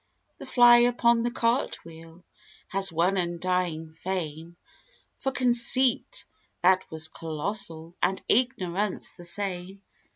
The Fly upon the Cartwheel Has won undying fame For Conceit that was colossal, And Ignorance the same.